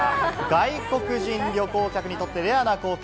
外国人旅行客にとってレアな光景。